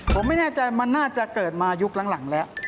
ผมไม่แน่ใจมันน่าจะเกิดมายุคหลังแล้ว